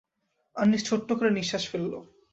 আনিস ছোট্ট করে নিঃশ্বাস ফেলল।